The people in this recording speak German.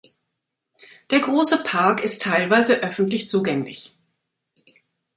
Der grosse Park ist teilweise öffentlich zugänglich.